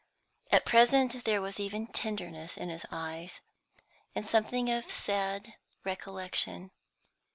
At present there was even tenderness in his eyes, and something of sad recollection.